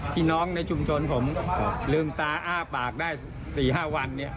พี่น้องในชุมชนผมลืมตาอ้าปากได้๔๕วันเนี่ย